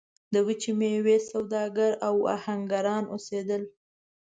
د وچې میوې سوداګر او اهنګران اوسېدل.